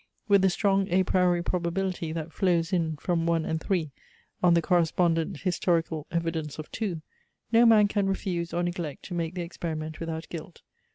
With the strong a priori probability that flows in from 1 and 3 on the correspondent historical evidence of 2, no man can refuse or neglect to make the experiment without guilt.